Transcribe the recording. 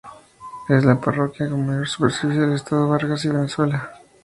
Es la parroquia con mayor superficie del estado Vargas y Venezuela.